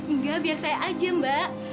enggak biar saya aja mbak